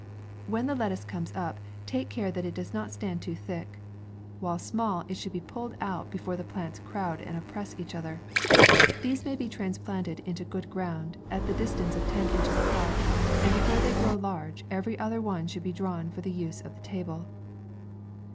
When the lettuce comes up, take care that it does not stand too thick. While small it should be pulled out, before the plants crowd and oppress each other. These may be transplanted into good ground, at the distance often inches apart, and before they grow large, every other one should be drawn for the use of the table.